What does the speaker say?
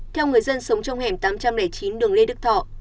theo người dân sống trong hẻm tám trăm linh chín đường lê đức thọ